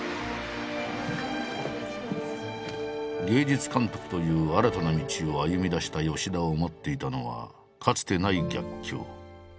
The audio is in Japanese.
芸術監督という新たな道を歩みだした吉田を待っていたのはかつてない逆境。